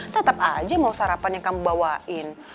tetap aja mau sarapan yang kamu bawain